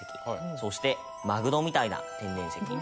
そしてマグロみたいな天然石。